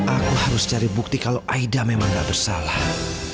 aku harus cari bukti kalau aida memang gak bersalah